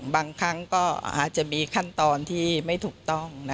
บางครั้งก็อาจจะมีขั้นตอนที่ไม่ถูกต้อง